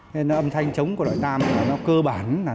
thế nên là âm thanh trống của đội tan là nó cơ bản